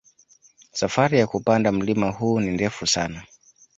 Safari ya kupanda mlima huu ni ndefu sana